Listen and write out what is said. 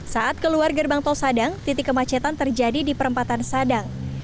saat keluar gerbang tol sadang titik kemacetan terjadi di perempatan sadang